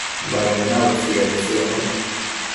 baded na utsi bedtsëcnu